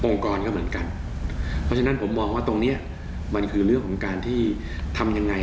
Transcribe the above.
กรก็เหมือนกันเพราะฉะนั้นผมมองว่าตรงเนี้ยมันคือเรื่องของการที่ทำยังไง